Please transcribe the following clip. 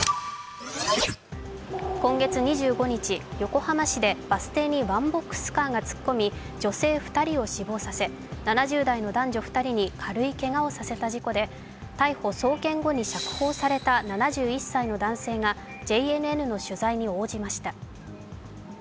今月２５日、横浜市でバス停にワンボックスカーが突っ込み女性２人を死亡させ、７０代の男女２人に軽いけがをさせた事故で逮捕・送検後に釈放された７１歳の男性がＪＮＮの取材に応じました。